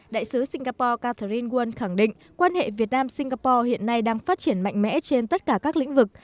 đại sứ singapore catherine won khẳng định quan hệ việt nam singapore hiện nay đang phát triển mạnh mẽ trên tất cả các lĩnh vực